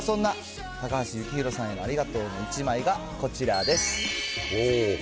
さあ、そんな高橋幸宏さんへのありがとうの１枚がこちらです。